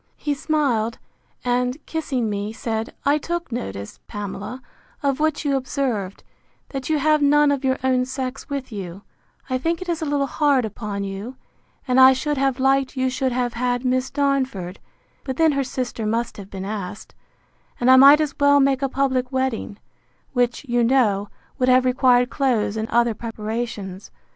He smiled, and, kissing me, said, I took notice, Pamela, of what you observed, that you have none of your own sex with you; I think it is a little hard upon you; and I should have liked you should have had Miss Darnford; but then her sister must have been asked; and I might as well make a public wedding: which, you know, would have required clothes and other preparations.